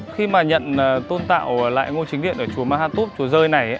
khi mà nhận tôn tạo lại ngôi chính điện ở chùa ma hatup chùa rơi này